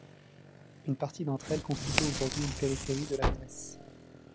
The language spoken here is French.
Une partie d'entre elles constitue aujourd'hui une périphérie de la Grèce.